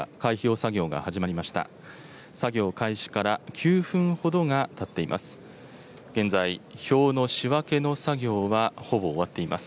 作業開始から９分ほどがたっています。